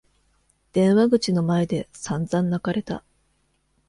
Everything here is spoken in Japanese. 電話口の前で散々泣かれた。